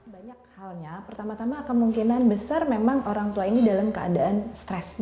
banyak halnya pertama tama kemungkinan besar memang orang tua ini dalam keadaan stres